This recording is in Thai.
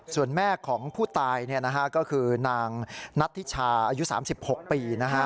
ส่วนแม่ของผู้ตายก็คือนางนัทธิชาอายุ๓๖ปี